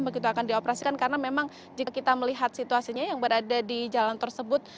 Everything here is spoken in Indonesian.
begitu akan dioperasikan karena memang jika kita melihat situasinya yang berada di jalan tersebut